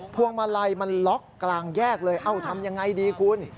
พวงมาลัยมันล็อกกลางแยกเลยเอ้าทำยังไงดีคุณ